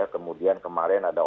kemudian kemarin ada